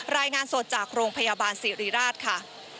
รายงานสดจากโรงพยาบาลสิริราชค่ะ